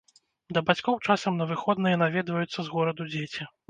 Да бацькоў часам на выходныя наведваюцца з гораду дзеці.